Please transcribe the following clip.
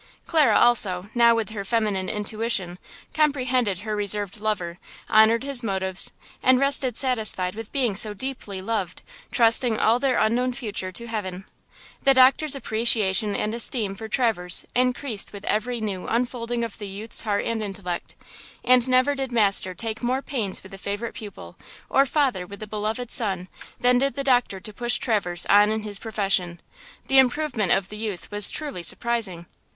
Clara, also, now, with her feminine intuition, comprehended her reserved lover, honored his motives and rested satisfied with being so deeply loved, trusting all their unknown future to heaven. The doctor's appreciation and esteem for Traverse increased with every new unfolding of the youth's heart and intellect, and never did master take more pains with a favorite pupil, or father with a beloved son, than did the doctor to push Traverse on in his profession. The improvement of the youth was truly surprising.